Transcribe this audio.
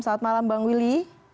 selamat malam bang willy